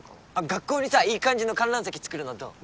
学校にさいい感じの観覧席作るのどう？